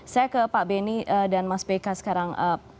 saya ke pak benny dan mas beka sekarang